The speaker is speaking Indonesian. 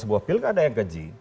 sebuah pilkada yang keji